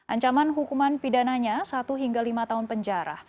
ancaman hukuman pidananya satu hingga lima tahun penjara